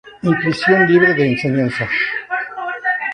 Institución libre de enseñanza.